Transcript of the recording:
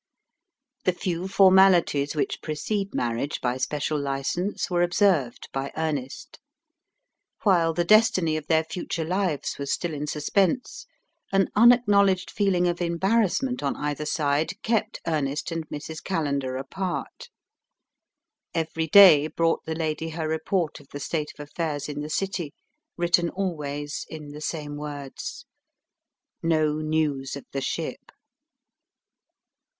The few formalities which precede marriage by special license were observed by Ernest. While the destiny of their future lives was still in suspense, an unacknowledged feeling of embarrassment on either side kept Ernest and Mrs. Callender apart. Every day brought the lady her report of the state of affairs in the City, written always in the same words: "No news of the ship."